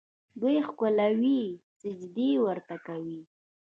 دوی ښکلوي یې، سجدې ورته کوي.